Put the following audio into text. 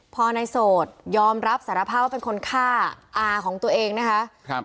พอในโสดยอมรับสารภาพว่าเป็นคนฆ่าอาของตัวเองนะคะครับ